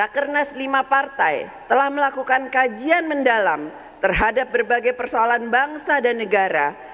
rakernas lima partai telah melakukan kajian mendalam terhadap berbagai persoalan bangsa dan negara